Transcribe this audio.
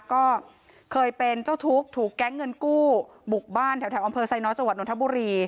ก็เคยเป็นเจ้าทุกข์ถูกแก๊งเงินกู้บุกบ้านแถวอำเภอไซน้อยจังหวัดนทบุรี